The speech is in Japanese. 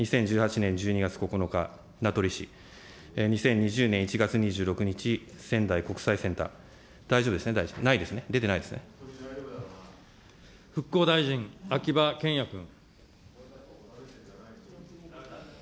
２０１８年１２月９日、名取市、２０２０年１月２６日、仙台国際センター、大丈夫ですね、大臣、復興大臣、秋葉賢也君。